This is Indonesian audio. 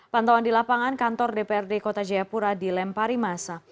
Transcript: pantauan di lapangan kantor dprd kota jayapura dilempari masa